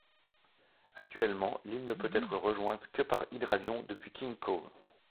Actuellement, l'île ne peut être rejointe que par hydravion depuis King Cove.